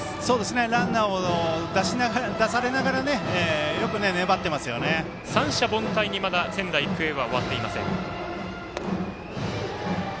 ランナーを出されながら三者凡退にまだ仙台育英は終わっていません。